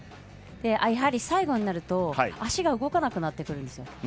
最後になると足が動かなくなってくるんですよ。